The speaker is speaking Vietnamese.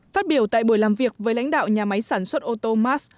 phát biểu tại buổi làm việc với lãnh đạo nhà máy sản xuất ô tô mars